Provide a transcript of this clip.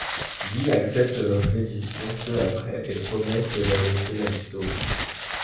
Guy accepte leur reddition peu après et promet de leur laisser la vie sauve.